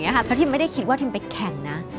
เพราะทิมไม่ได้คิดว่าทิมไปแข่งนะ